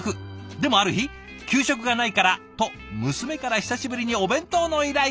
でもある日給食がないからと娘から久しぶりにお弁当の依頼が」。